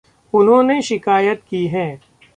उन्होंने शिकायत की है।